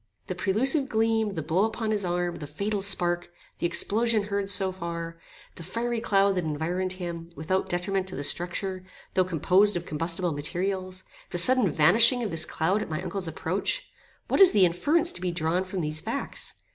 The prelusive gleam, the blow upon his arm, the fatal spark, the explosion heard so far, the fiery cloud that environed him, without detriment to the structure, though composed of combustible materials, the sudden vanishing of this cloud at my uncle's approach what is the inference to be drawn from these facts?